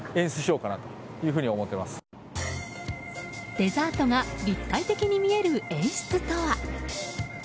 デザートが立体的に見える演出とは？